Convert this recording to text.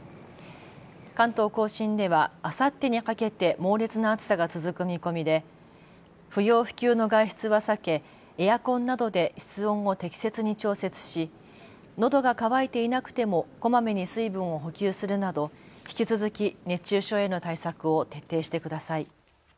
関東甲信ではあさってにかけて猛烈な暑さが続く見込みで不要不急の外出は避けエアコンなどで室温を適切に調節し、のどが渇いていなくてもこまめに水分を補給するなど引き続き熱中症への対策を徹底してください。